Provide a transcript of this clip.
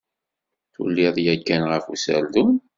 Tuliḍ yakkan ɣef userdun?